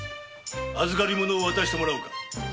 預り物渡してもらおうか。